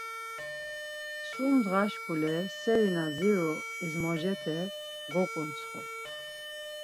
Sum ndğa şuǩule seri na ziru ezmocete goǩutsxu.